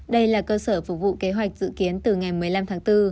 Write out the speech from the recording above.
đây là cơ sở phục vụ kế hoạch dự kiến từ ngày một mươi năm tháng bốn